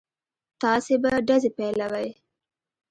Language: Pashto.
تاسې به ډزې پيلوئ.